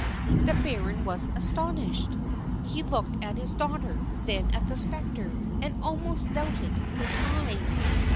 The baron was astonished. He looked at his daughter, then at the spectre, and almost doubted his eyes.